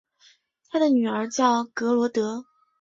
他的女儿叫格萝德。